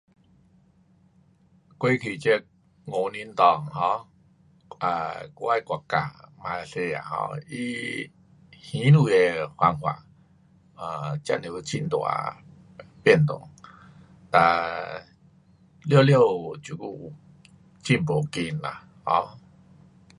过去这五年内 um 啊，我的国家马来西亚 um 它还钱的方法，呃，真是有很大变动，哒，完了这久有进步快啦 um